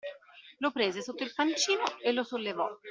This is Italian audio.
Lo prese sotto il pancino e lo sollevò.